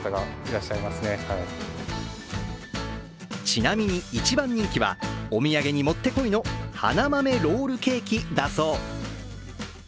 ちなみに、一番人気はお土産にもってこいの花豆ロールケーキだそう。